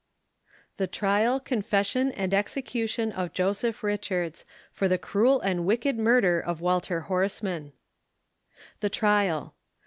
The Trial, Confession, and Execution OF JOSEPH RICHARDS, For the Cruel and Wicked Murder of Walter Horseman. THE TRIAL.